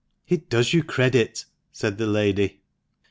"It does you credit," said the lady.